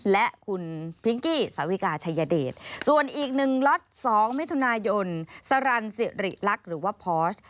และคุณพิงกี้สาวิกาชัยเดชส่วนอีก๑ล็อต๒มิถุนายนสรรสิริลักษณ์หรือว่าพอส